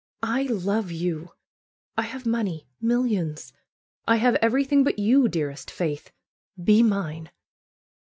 I love you ! I have money — millions! I have everything but you, dearest Faith. Be mine!"